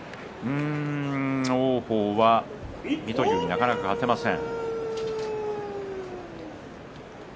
王鵬は水戸龍になかなか勝てません。